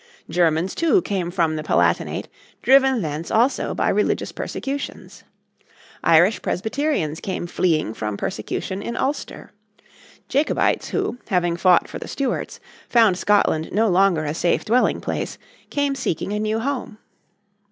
Germans too came from the Palatinate, driven thence also by religious persecutions. Irish Presbyterians came fleeing from persecution in Ulster. Jacobites who, having fought for the Stuarts, found Scotland no longer a safe dwelling place came seeking a new home.